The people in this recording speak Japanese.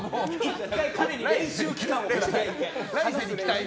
１回、彼に練習期間をください！